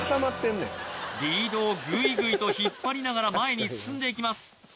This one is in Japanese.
リードをグイグイと引っ張りながら前に進んでいきます